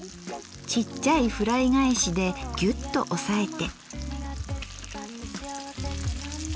ちっちゃいフライ返しでギュッと押さえて。